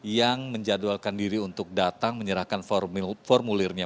yang menjadwalkan diri untuk datang menyerahkan formulirnya